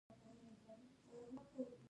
افغانستان د آب وهوا په اړه ډېرې علمي څېړنې لري.